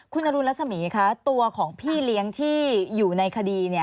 คุณอรุณรัสมีคะตัวของพี่เลี้ยงที่อยู่ในคดี